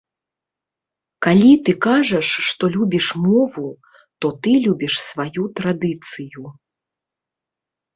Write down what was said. Калі ты кажаш, што любіш мову, то ты любіш сваю традыцыю.